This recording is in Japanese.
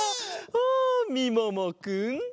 あみももくん。